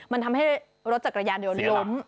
มันทำให้รถจักรยานยนต์ล้ม